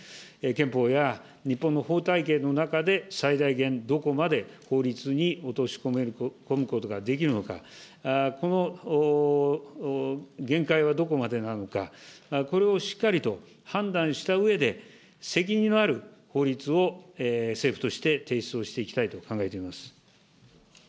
憲法や日本の法体系の中で最大限、どこまで法律に落とし込むことができるのか、この限界はどこまでなのか、これをしっかりと判断したうえで、責任のある法律を政府として提出をしていきたいと考えています。